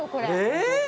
え？